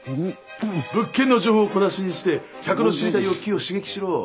物件の情報を小出しにして客の知りたい欲求を刺激しろ！